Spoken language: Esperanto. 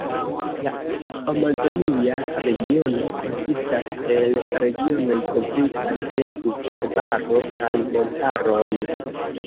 La Amazonia Regiono konsistas el regionoj kovritaj de pluvarbaro kaj montaroj.